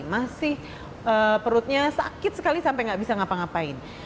masih perutnya sakit sekali sampai tidak bisa apa apa